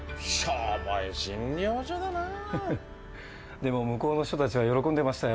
でも向こうの人たちは喜んでましたよ。